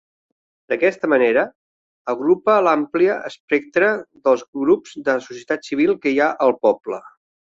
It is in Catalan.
D'aquesta manera, agrupa l'amplia espectre dels grups de la societat civil que hi ha al poble.